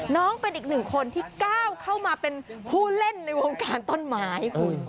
น้องเป็นอีกหนึ่งคนที่ก้าวเข้ามาเป็นผู้เล่นในวงการต้นไม้คุณ